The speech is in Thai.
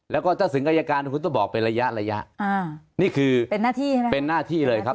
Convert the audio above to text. แล้วก็ถ้าถึงอัยการคุณต้องบอกเป็นระยะนี่คือเป็นหน้าที่เลยครับ